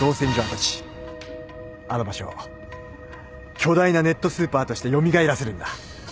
あの場所を巨大なネットスーパーとして蘇らせるんだ。